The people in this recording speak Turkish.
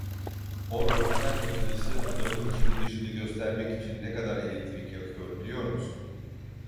O röntgen makinesi adamın içini dışını göstermek için ne kadar elektrik yakıyor, biliyor musun?